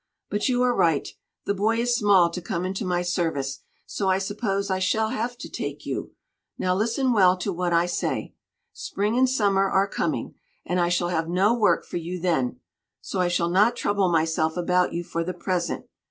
But you are right; the boy is small to come into my service, so I suppose I shall have to take you. Now listen well to what I say. Spring and summer are coming and I shall have no work for you then; so I shall not trouble myself about you for the present.